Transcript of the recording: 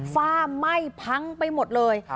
ฝ้าไหม้พังไปหมดเลย